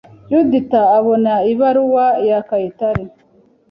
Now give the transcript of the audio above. Yudita abona ibaruwa ya Kayitare.